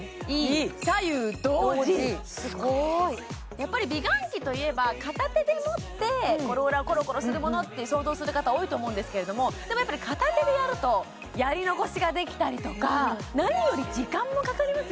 やっぱり美顔器といえば片手で持ってローラーをコロコロするものって想像する方多いと思うんですけれどもでもやっぱり片手でやるとやり残しができたりとか何より時間もかかりますよね